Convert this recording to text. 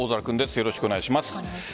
よろしくお願いします。